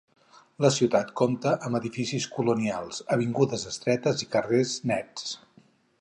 La ciutat compta amb edificis colonials, avingudes estretes i carrers nets.